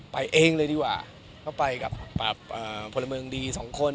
ไปเองเลยดีกว่าก็ไปกับแบบโพรเบิ่งดี๒คน